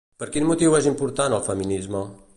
Per quin motiu és important el feminisme?